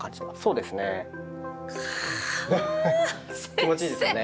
気持ちいいですよね？